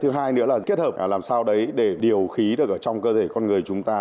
thứ hai nữa là kết hợp làm sao đấy để điều khí được ở trong cơ thể con người chúng ta